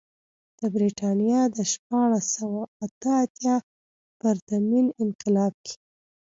د برېټانیا د شپاړس سوه اته اتیا پرتمین انقلاب کې.